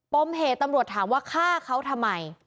มเหตุตำรวจถามว่าฆ่าเขาทำไม